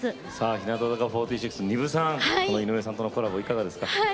日向坂４６の丹生さん井上さんとのコラボどうですか？